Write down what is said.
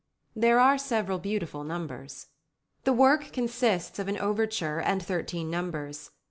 There are several beautiful numbers. The work consists of an overture and thirteen numbers.